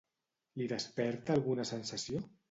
Li desperta alguna sensació?